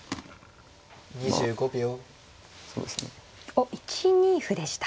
おっ１二歩でした。